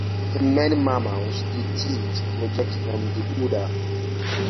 In many mammals the teat projects from the udder.